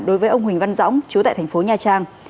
đối với ông huỳnh văn dõng chú tại thành phố nha trang